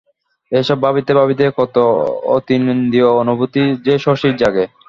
এসব ভাবিতে ভাবিতে কত অতীন্দ্রিয় অনুভূতি যে শশীর জাগে!